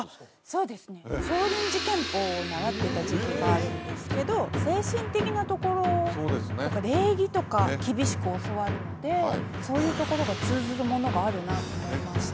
そうですね少林寺拳法を習ってた時期があるんですけど精神的なところとか礼儀とか厳しく教わるのでそういうところが通ずるものがあるなと思いました